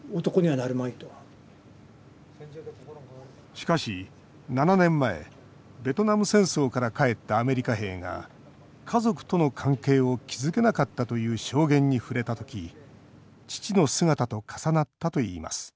しかし７年前ベトナム戦争から帰ったアメリカ兵が家族との関係を築けなかったという証言に触れた時父の姿と重なったといいます